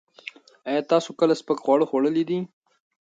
ایا تاسو کله سپک خواړه خوړلي دي؟